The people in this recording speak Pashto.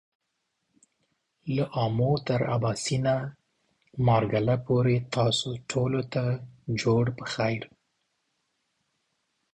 له آمو تر آباسينه ، مارګله پورې تاسو ټولو ته جوړ پخير !